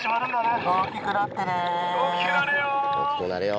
大きくなれよ！